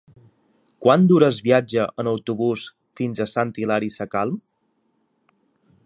Quant dura el viatge en autobús fins a Sant Hilari Sacalm?